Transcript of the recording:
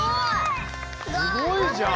すごいじゃん！